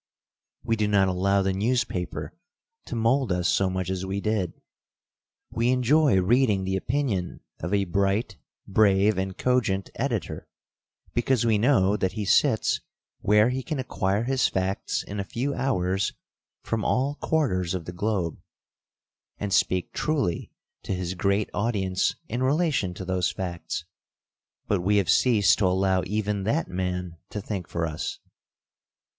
We do not allow the newspaper to mold us so much as we did. We enjoy reading the opinion of a bright, brave, and cogent editor because we know that he sits where he can acquire his facts in a few hours from all quarters of the globe, and speak truly to his great audience in relation to those facts, but we have ceased to allow even that man to think for us.